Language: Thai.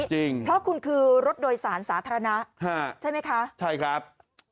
จริงเพราะคุณคือรถโดยสารสาธารณะใช่ไหมคะใช่ครับ